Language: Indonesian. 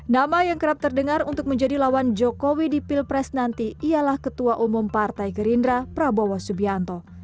nama yang kerap terdengar untuk menjadi lawan jokowi di pilpres nanti ialah ketua umum partai gerindra prabowo subianto